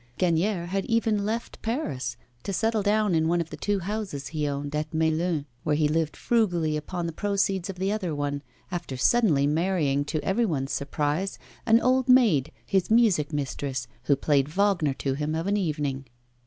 Gagnière had even left Paris, to settle down in one of the two houses he owned at Melun, where he lived frugally upon the proceeds of the other one, after suddenly marrying, to every one's surprise, an old maid, his music mistress, who played Wagner to him of an evening.